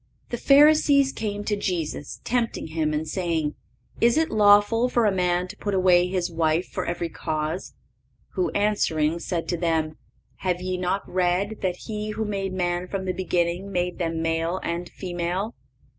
"The Pharisees came to Jesus, tempting Him and saying: Is it lawful for a man to put away his wife for every cause? Who, answering, said to them: Have ye not read that He who made man from the beginning made them male and female?